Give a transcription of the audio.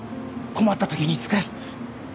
困った時に使え。